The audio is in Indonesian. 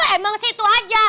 emang sih itu aja